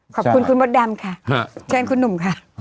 ขอบคุณคุณมดดำค่ะเชิญคุณหนุ่มค่ะ